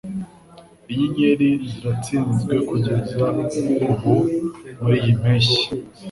Inyenyeri ziratsinzwe kugeza ubu muriyi mpeshyi